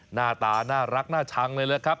หน้าตาน่ารักน่าชังเลยแหละครับ